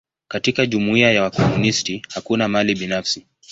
Katika jumuia ya wakomunisti, hakuna mali binafsi.